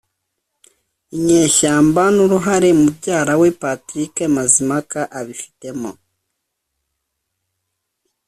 inyeshyamba n'uruhare mubyara we patrick mazimpaka abifitemo,